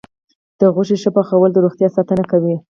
د غوښې ښه پخول د روغتیا ساتنه کوي.